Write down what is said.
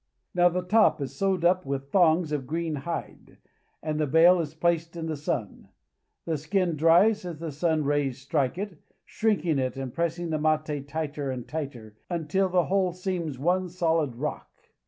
Now the top is sewed up with thongs of green hide, and the bale is placed in the sun. The skin dries as the sun's rays strike THE CHACO. 237 it, shrinking in and pressing the mate tighter and tighter, until the whole seems one solid rock.